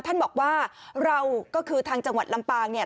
ท่านบอกว่าเราก็คือทางจังหวัดลำปางเนี่ย